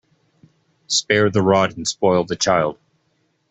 Spare the rod and spoil the child.